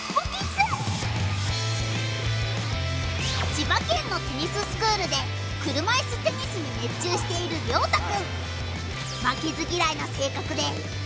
千葉県のテニススクールで車いすテニスに熱中している凌大くん。